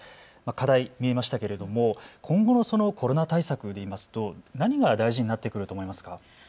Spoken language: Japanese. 課題、見えましたけれども今後のコロナ対策で言いますと何が大事になってくると思いますか。